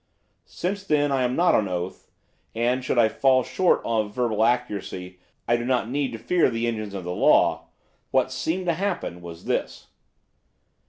Since, then, I am not on oath, and, should I fall short of verbal accuracy, I do not need to fear the engines of the law, what seemed to happen was this.